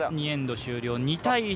２エンド終了２対１。